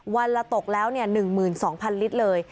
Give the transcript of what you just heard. วันละตกแล้ว๑๒๐๐ลิตรเลย